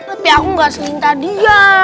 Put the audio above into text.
tapi aku gak selinta dia